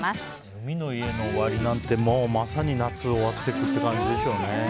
海の家の終わりなんてまさに夏終わってくって感じですよね。